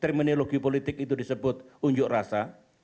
terminologi politik itu disebut unjuk rasa